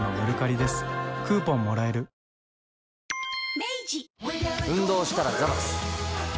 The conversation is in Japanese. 明治運動したらザバス。